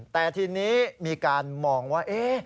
แต่ทีนี้มีการมองว่า